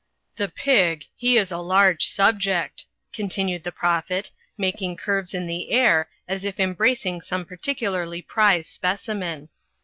"The Pig, he is a large subject," continued the Prophet, making curves in the air, as if embracing some particularly prize specimen.